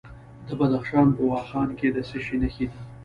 د بدخشان په واخان کې د څه شي نښې دي؟